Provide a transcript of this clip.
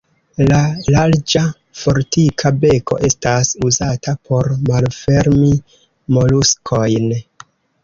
La larĝa, fortika beko estas uzata por malfermi moluskojn.